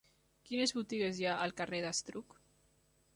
Quines botigues hi ha al carrer d'Estruc?